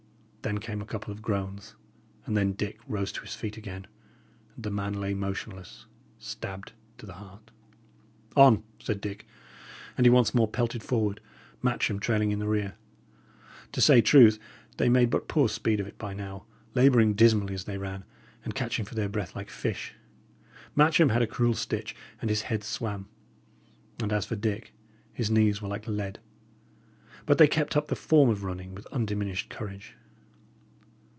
Then came a couple of groans, and then Dick rose to his feet again, and the man lay motionless, stabbed to the heart. "On!" said Dick; and he once more pelted forward, Matcham trailing in the rear. To say truth, they made but poor speed of it by now, labouring dismally as they ran, and catching for their breath like fish. Matcham had a cruel stitch, and his head swam; and as for Dick, his knees were like lead. But they kept up the form of running with undiminished courage.